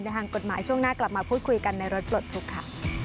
ทางกฎหมายช่วงหน้ากลับมาพูดคุยกันในรถปลดทุกข์ค่ะ